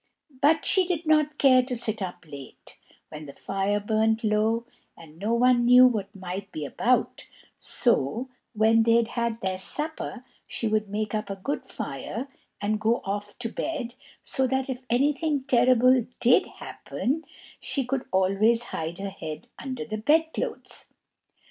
But she did not care to sit up late, when the fire burnt low, and no one knew what might be about; so, when they had had their supper she would make up a good fire and go off to bed, so that if anything terrible did happen, she could always hide her head under the bed clothes.